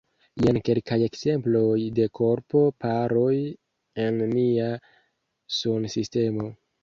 Jen kelkaj ekzemploj de korpo-paroj en nia sunsistemo.